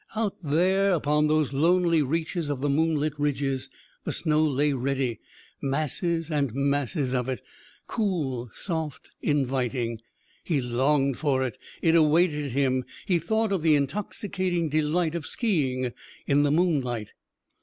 Out there, upon those lonely reaches of the moonlit ridges, the snow lay ready masses and masses of it cool, soft, inviting. He longed for it. It awaited him. He thought of the intoxicating delight of ski ing in the moonlight....